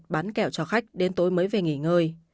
bán kẹo cho khách đến tối mới về nghỉ ngơi